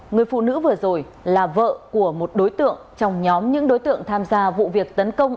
người phụ nữ vừa rồi là vợ của một đối tượng trong nhóm những đối tượng tham gia vụ việc tấn công